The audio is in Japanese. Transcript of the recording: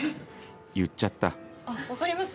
言っちゃった分かります？